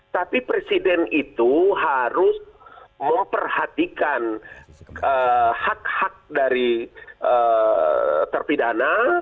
tapi presiden itu harus memperhatikan hak hak dari terpidana